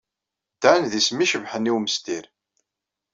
Dan d isem icebḥen i umestir.